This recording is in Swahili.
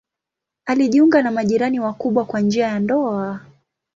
Alijiunga na majirani wakubwa kwa njia ya ndoa.